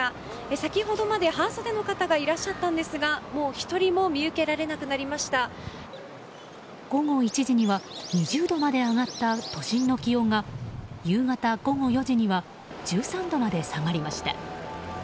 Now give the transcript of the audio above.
先ほどまで半袖の方がいらっしゃったんですがもう１人も午後１時には２０度まで上がった都心の気温が夕方午後４時には１３度まで下がりました。